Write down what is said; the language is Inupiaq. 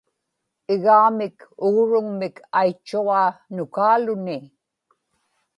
igaamik ugruŋmik aitchuġaa nukaaluni